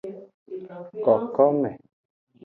Kokome.